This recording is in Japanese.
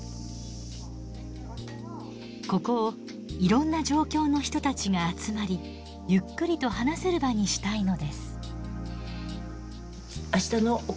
ここをいろんな状況の人たちが集まりゆっくりと話せる場にしたいのです。